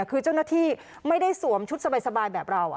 คือเจ้าหน้าที่ไม่ได้สวมชุดสบายแบบเรา